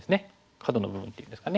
角の部分っていうんですかね。